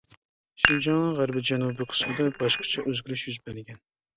شىنجاڭنىڭ غەربىي-جەنۇبىي قىسمىدا باشقىچە ئۆزگىرىش يۈز بەرگەن.